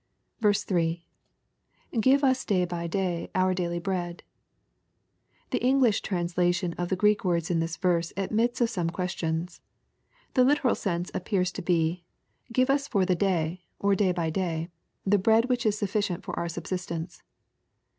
3. — [Give Its day hy day our daily bread.] The English translation of the Grreek words in this verse admits of some question. The literal sense appears to be, " Give us for the day, or day by day, the bread which is sufficient for our subsistence."